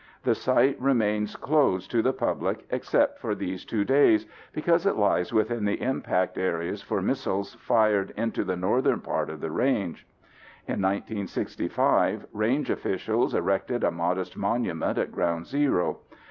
The Site remains closed to the public except for these two days, because it lies within the impact areas for missiles fired into the northern part of the Range. In 1965, Range officials erected a modest monument at Ground Zero.